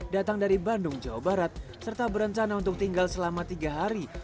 datang dari bandung jawa barat serta berencana untuk tinggal selama tiga hari